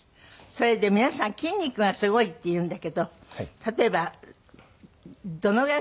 それで皆さん筋肉がすごいっていうんだけど例えばどのぐらいすごいかっていうのは。